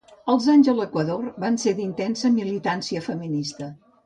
Els anys a l'Equador van ser d'intensa militància feminista.